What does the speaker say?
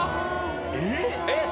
えっ！